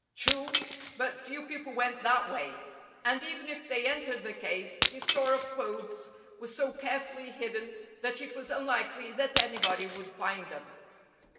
True, but few people went that way, and even if they entered the cave his store of clothes was so carefully hidden that it was unlikely that anybody would find them.